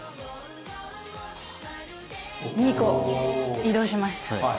２個移動しました！